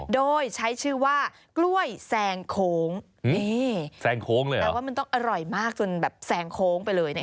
โดยใช้ชื่อว่ากล้วยแซงโค้งนี่แซงโค้งเลยเหรอแต่ว่ามันต้องอร่อยมากจนแบบแซงโค้งไปเลย